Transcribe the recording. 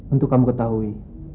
untuk kamu ketahui